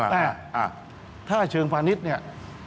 แต่ถ้าเชิงพาณิชย์เนี่ย